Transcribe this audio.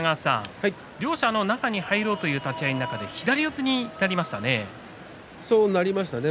両者中に入ろうという立ち合いの中でそうなりましたね。